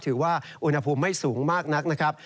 ถือว่าอุณหภูมิไม่สูงมากนักนะครับ